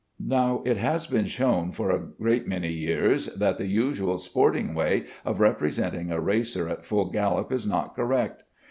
Now, it has been known for a great many years that the usual sporting way of representing a racer at full gallop is not correct.